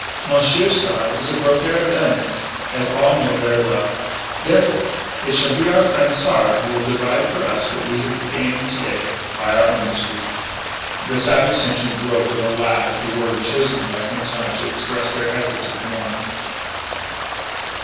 Monsieur Sard is a brokaire of diamon's, as all know ver' well. Therefore, it shall be our frien' Sard who will divide for us what we have gain to day by our industry." The savage tension broke with a laugh at the word chosen by Quintana to express their efforts of the morning.